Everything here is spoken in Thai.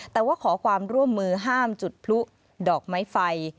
แต่ว่าขอความร่วมมือห้ามจุดพลุดอกไม้ไฟ